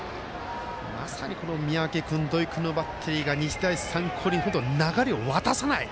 まさに三宅君、土井君のバッテリーが日大三高に本当に流れを渡さない。